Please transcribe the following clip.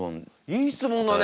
いい質問だね